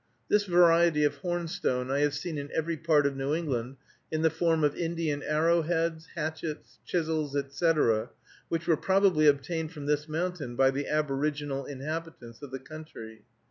This variety of hornstone I have seen in every part of New England in the form of Indian arrowheads, hatchets, chisels, etc., which were probably obtained from this mountain by the aboriginal inhabitants of the country."